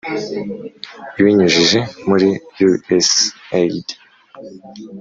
ibinyujije muri usaid.